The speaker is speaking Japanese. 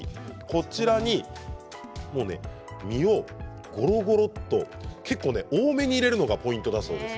こちらに実をゴロゴロと結構、多めに入れるのがポイントだそうです。